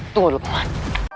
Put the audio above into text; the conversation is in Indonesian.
tunggu dulu paman